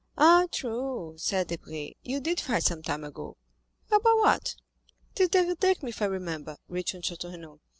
"Ah, true," said Debray, "you did fight some time ago; about what?" 20235m "The devil take me, if I remember," returned Château Renaud.